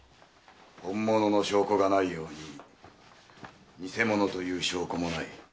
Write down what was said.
本物の証拠がないように偽物という証拠もない。